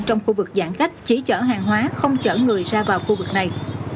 trong khu vực giãn cách chỉ chở hàng hóa không chở người ra vào khu vực này